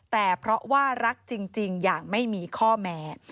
แต่เพราะว่ารักจริงอย่างไม่มีข้อแม้